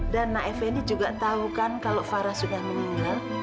dan nek fendi juga tahu kan kalau farah sudah meninggal